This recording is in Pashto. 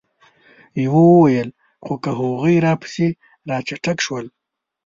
يوه وويل: خو که هغوی راپسې را چټک شول؟